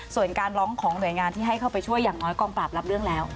ส่วนการร้องของหน่วยงานที่ให้เข้าไปช่วยอย่างน้อยกองปราบรับเรื่องแล้ว